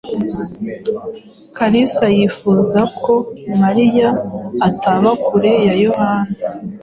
Kalisa yifuza ko Mariya ataba kure ya Yohana.